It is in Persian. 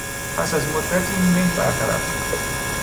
پس از مدتی مه برطرف شد.